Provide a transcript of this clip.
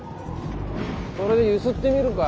それで揺すってみるか？